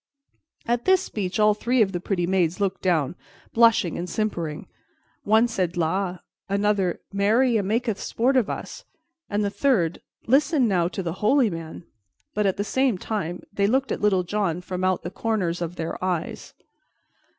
At this speech all three of the pretty maids looked down, blushing and simpering. One said, "La!" another, "Marry, a' maketh sport of us!" and the third, "Listen, now, to the holy man!" But at the same time they looked at Little John from out the corners of their eyes.